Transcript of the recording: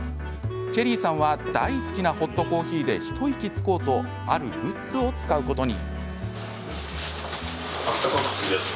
チェリーさんは大好きなホットコーヒーで一息つこうとあるグッズを使うことに。